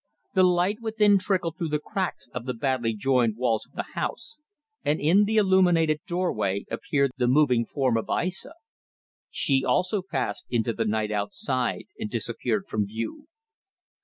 The light within trickled through the cracks of the badly joined walls of the house, and in the illuminated doorway appeared the moving form of Aissa. She also passed into the night outside and disappeared from view.